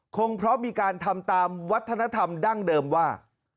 คงเพราะมีการทำตามวัฒนธรรมดั้งเดิมว่า